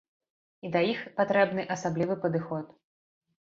І да іх патрэбны асаблівы падыход.